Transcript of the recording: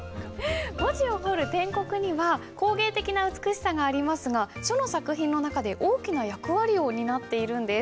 文字を彫る篆刻には工芸的な美しさがありますが書の作品の中で大きな役割を担っているんです。